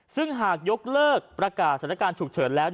ซึ่งหากยกเลิกประกาศสถานการณ์ฉุกเฉินแล้ว